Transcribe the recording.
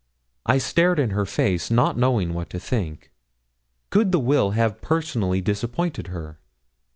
I stared in her face, not knowing what to think. Could the will have personally disappointed her?